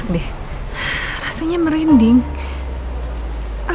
udah ketemu ketua ojeknya